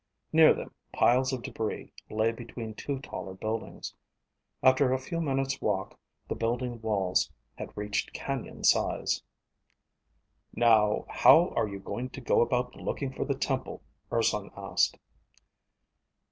Near them, piles of debris lay between two taller buildings. After a few minutes' walk the building walls had reached canyon size. "Now, how are you going to go about looking for the temple?" Urson asked.